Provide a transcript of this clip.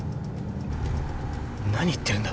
何言ってるんだ？